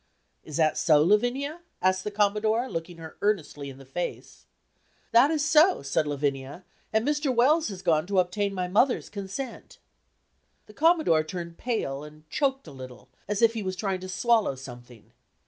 "Is that so, Lavinia?" asked the Commodore, looking her earnestly in the face. "That is so," said Lavinia; "and Mr. Wells has gone to obtain my mother's consent." The Commodore turned pale, and choked a little, as if he was trying to swallow something.